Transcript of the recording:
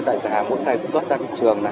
tại cửa hàng mỗi ngày cũng góp ra thị trường